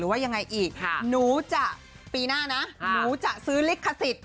ว่ายังไงอีกหนูจะปีหน้านะหนูจะซื้อลิขสิทธิ์